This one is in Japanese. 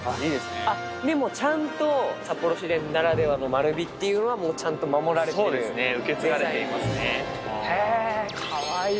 でもちゃんと札幌市電ならではの丸みっていうのは、ちゃんとそうですね、受け継がれていかわいい。